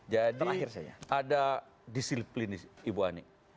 jadi ada disiplin ibu ani